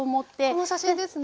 この写真ですね。